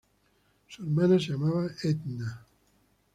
Su hermana se llamaba Edna.